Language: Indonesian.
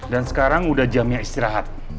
dan sekarang udah jamnya istirahat